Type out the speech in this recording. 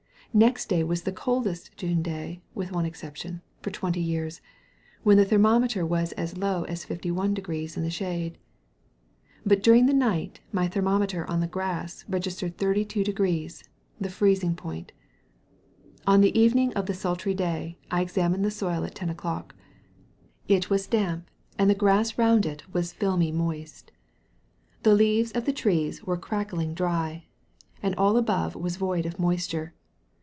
Next day was the coldest June day (with one exception) for twenty years, when the thermometer was as low as 51° in the shade. But during the night my thermometer on the grass registered 32° the freezing point. On the evening of the sultry day I examined the soil at 10 o'clock. It was damp, and the grass round it was filmy moist. The leaves of the trees were crackling dry, and all above was void of moisture.